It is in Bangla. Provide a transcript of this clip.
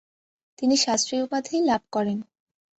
তিনি ‘শাস্ত্রী’ উপাধি লাভ করেন।